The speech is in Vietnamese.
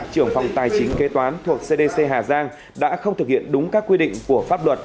trưởng phòng tài chính kế toán thuộc cdc hà giang đã không thực hiện đúng các quy định của pháp luật